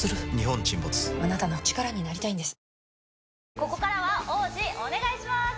ここからは王子お願いします